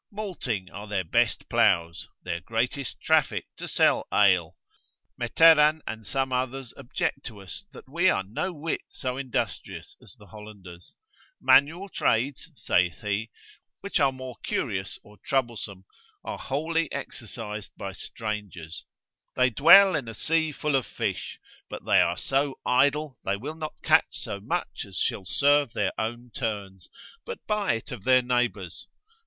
Malting are their best ploughs, their greatest traffic to sell ale. Meteran and some others object to us, that we are no whit so industrious as the Hollanders: Manual trades (saith he) which are more curious or troublesome, are wholly exercised by strangers: they dwell in a sea full of fish, but they are so idle, they will not catch so much as shall serve their own turns, but buy it of their neighbours.